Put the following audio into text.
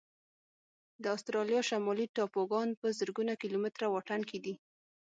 د استرالیا شمالي ټاپوګان په زرګونو کيلومتره واټن کې دي.